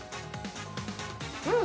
うん！